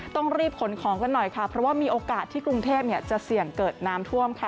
ต้องรีบขนของกันหน่อยค่ะเพราะว่ามีโอกาสที่กรุงเทพจะเสี่ยงเกิดน้ำท่วมค่ะ